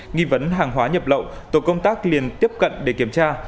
nghi vấn hàng hóa nhập lậu tổ công tác liên tiếp cận để kiểm tra